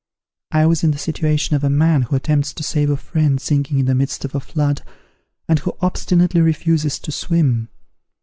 I was in the situation of a man who attempts to save a friend sinking in the midst of a flood, and who obstinately refuses to swim.